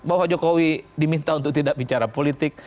bahwa jokowi diminta untuk tidak bicara politik